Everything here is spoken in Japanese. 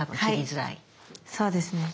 はいそうですね。